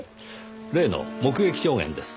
例の目撃証言です。